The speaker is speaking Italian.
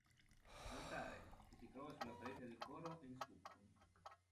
L'altare, che si trova sulla parete del coro, è in stucco.